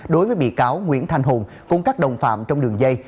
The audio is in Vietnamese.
đối với bị cáo nguyễn thanh hùng cùng các đồng phạm trong đường dây